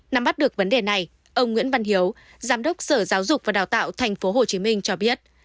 năm bắt được vấn đề này ông nguyễn văn hiếu giám đốc sở giáo dục và đào tạo tp hcm cho biết